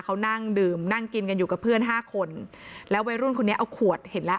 เขานั่งดื่มนั่งกินกันอยู่กับเพื่อนห้าคนแล้ววัยรุ่นคนนี้เอาขวดเห็นแล้ว